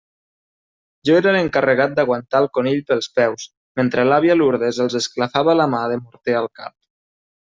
Jo era l'encarregat d'aguantar el conill pels peus, mentre l'àvia Lourdes els esclafava la mà de morter al cap.